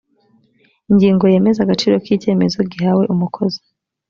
ingingo yemeza agaciro k ‘icyemezo gihawe umukozi